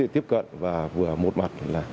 tiếp cận và vừa một mặt